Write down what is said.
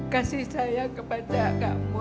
kasih sayang kepada kak moen